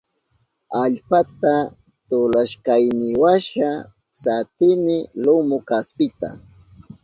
Allpata tulashkayniwasha satini lumu kaspita.